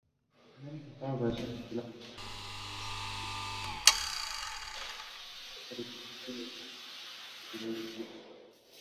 He was also promoted to the temporary rank of Lieutenant commander.